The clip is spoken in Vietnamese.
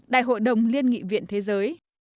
đại hội đồng liên nghị viện thế giới